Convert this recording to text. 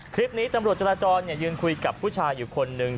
คลิปนี้ตำรวจจราจรยืนคุยกับผู้ชายอยู่คนหนึ่ง